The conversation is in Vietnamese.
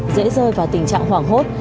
dễ rơi vào tình trạng hoảng hốt